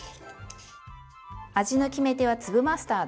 味の決め手は粒マスタード。